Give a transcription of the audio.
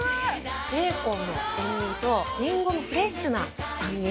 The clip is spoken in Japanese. ベーコンの塩味とリンゴのフレッシュな酸味。